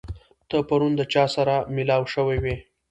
ته پرون د چا سره مېلاو شوی وې؟